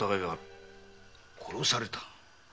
殺された？